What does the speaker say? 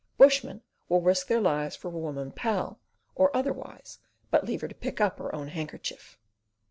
Bushmen will risk their lives for a woman pal or otherwise but leave her to pick up her own handkerchief.